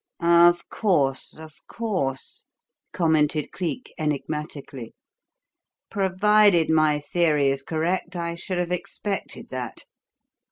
"Of course, of course!" commented Cleek enigmatically. "Provided my theory is correct, I should have expected that.